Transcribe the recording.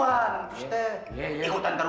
oh bosnya kicap itu